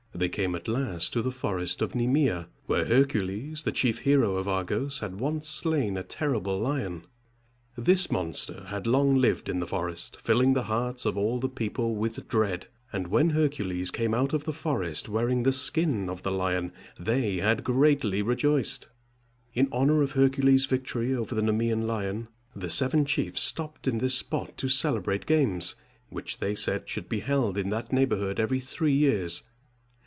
They came at last to the forest of Ne´me a, where Hercules, the chief hero of Argos, had once slain a terrible lion. This monster had long lived in the forest, filling the hearts of all the people with dread; and when Hercules came out of the forest, wearing the skin of the lion, they had greatly rejoiced. [Illustration: Hercules and the Nemean Lion.] In honor of Hercules' victory over the Ne´me an lion, the seven chiefs stopped in this spot to celebrate games, which they said should be held in that neighborhood every three years.